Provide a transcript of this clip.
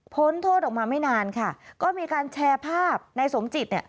โทษออกมาไม่นานค่ะก็มีการแชร์ภาพในสมจิตเนี่ย